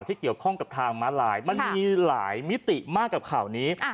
ที่เกี่ยวข้องกับทางม้าลายมันมีหลายมิติมากกับข่าวนี้